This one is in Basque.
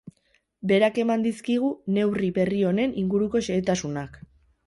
Berak eman dizkigu neurri berri honen inguruko xehetasunak.